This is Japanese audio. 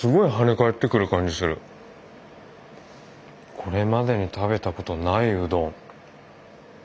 これまでに食べたことないうどん。